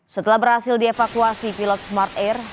setelah berhasil dievakuasi pilot smart air